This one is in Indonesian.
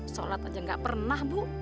sholat aja gak pernah bu